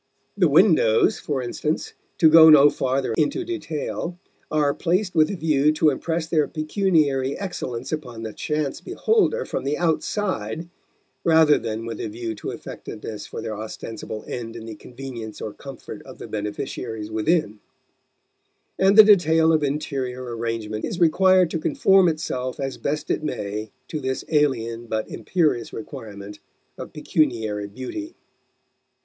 The windows, for instance, to go no farther into detail, are placed with a view to impress their pecuniary excellence upon the chance beholder from the outside, rather than with a view to effectiveness for their ostensible end in the convenience or comfort of the beneficiaries within; and the detail of interior arrangement is required to conform itself as best it may to this alien but imperious requirement of pecuniary beauty.